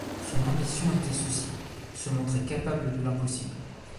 Son ambition était ceci: se montrer capable de l’impossible.